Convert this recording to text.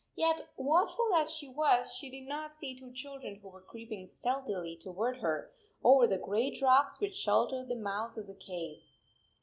Yet watchful as she was, she did not see two children who were creeping stealthily toward her, over the great rocks which sheltered the mouth of the cave.